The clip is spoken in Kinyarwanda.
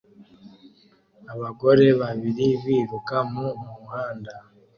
Abagore babiri biruka mu muhanda